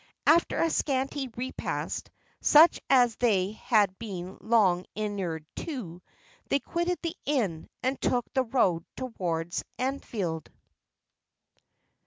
After a scanty repast, such as they had been long inured to, they quitted the inn, and took the road towards Anfield.